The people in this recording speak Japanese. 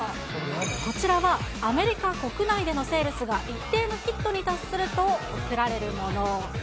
こちらはアメリカ国内でのセールスが一定のヒットに達すると贈られるもの。